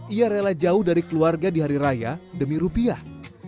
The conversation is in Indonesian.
ia rela jauh dari keluarga di hari raya demi rupiah